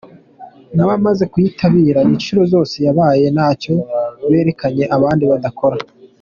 N’abamaze kuyitabire inshuro zose yabayeho ntacyo berekanye abandi badakora”.